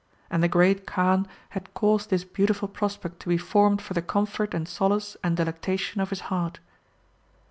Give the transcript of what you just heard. And the Great Kaan had caused this beautiful prospect to be formed for the comfort and solace and delectation of his heart.